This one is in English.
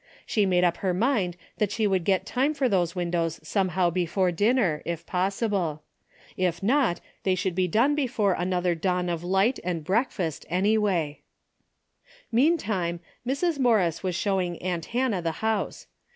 She made up her mind that she would get time for those windows somehow before dinner, if pos DAILY BATE.'^ 133 sible. If not, they should be done before an other dawn of light and breakfast anyway. Meantime Mrs. Morris was showing aunt Hannah the house.